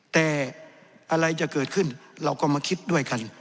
แต่อะไรจะเกิดขึ้นเราก็มาคิดด้วยกัน